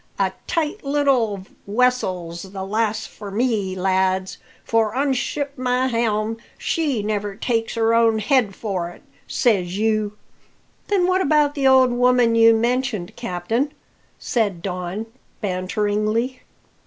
A tight leetle wessel's the lass for me, lads; for, unship my helm! she never takes her own head for it, says you." "Then what about the old woman you mentioned captain?" said Don banteringly.